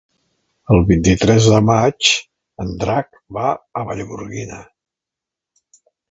El vint-i-tres de maig en Drac va a Vallgorguina.